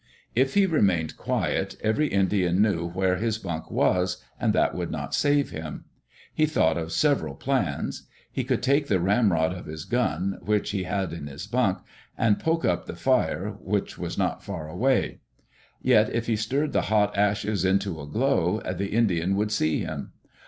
If he remained quiet, every Indian knew where his bunk was, and that would not save him. He thought of sev eral plans. He could take the ramrod of his gun, which he had in his bunk, and poke up the fire which was not Digitized by VjOOQ LC THAT "INDIAN" THIEF far away. Yet if he stirred the hot ashes into a glow, the Indian would see him.